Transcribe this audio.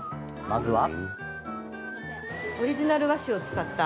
まずは。